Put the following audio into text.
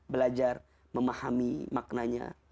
belajar memahami maknanya